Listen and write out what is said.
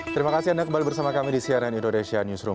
terima kasih anda kembali bersama kami di cnn indonesia newsroom